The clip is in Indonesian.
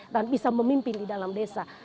dan bisa memimpin di dalam desa